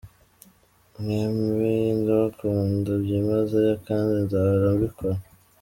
Mwembi ndabakunda byimazeyo kandi nzahora mbikora.